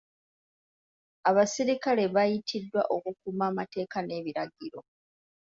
Abasirikale baayitiddwa okukuuma amateeka n'ebiragiro.